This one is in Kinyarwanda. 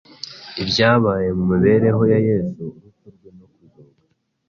Ibyabaye mu mibereho ya Yesu, urupfu rwe no kuzuka,